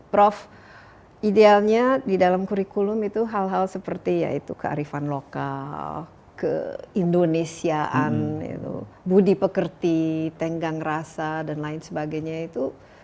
prof idealnya di dalam kurikulum itu hal hal seperti yaitu kearifan lokal keindonesiaan budi pekerti tenggang rasa dan lain sebagainya itu